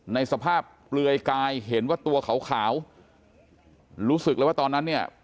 ในสภาพเปลือยกายเห็นว่าตัวขาวรู้สึกเลยว่าตอนนั้นเนี่ย